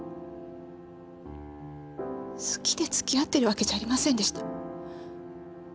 好きで付き合ってるわけじゃありませんでした。